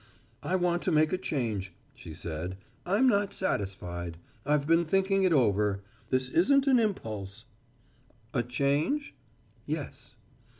"I want to make a change," she said, "I'm not satisfied. I've been thinking it over. This isn't an impulse." "A change?" "Yes."